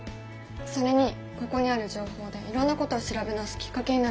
それにここにある情報でいろんなことを調べ直すきっかけになるんじゃない？